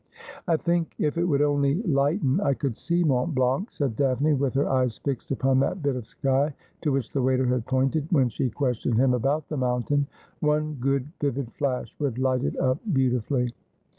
' I think if it would only lighten I could see Mont Blanc,' said Daphne, with her eyes fixed upon that bit of sky to which the waiter had pointed when she questioned him about the mountain. ' One good vivid flash would light it up beauti fully.'